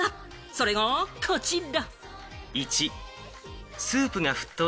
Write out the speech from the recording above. それがこちら。